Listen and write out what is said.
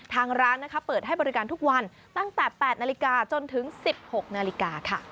ทางร้านเปิดให้บริการทุกวันตั้งแต่๘นาฬิกาจนถึง๑๖นาฬิกาค่ะ